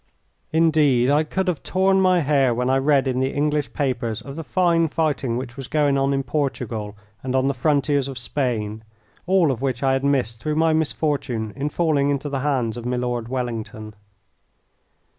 Indeed, I could have torn my hair when I read in the English papers of the fine fighting which was going on in Portugal and on the frontiers of Spain, all of which I had missed through my misfortune in falling into the hands of Milord Wellington.